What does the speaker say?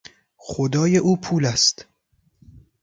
خدای او پول است.